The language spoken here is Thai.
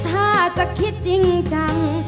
ถ้าจะคิดจริงจัง